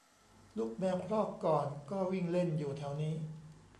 ลูกแมวครอกก่อนก็วิ่งเล่นอยู่แถวนี้